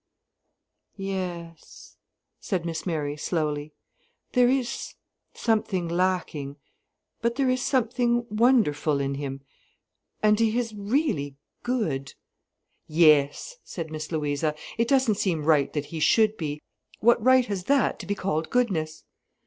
"Yes," said Miss Mary, slowly. "There is something lacking. But there is something wonderful in him: and he is really good——" "Yes," said Miss Louisa, "it doesn't seem right that he should be. What right has that to be called goodness!"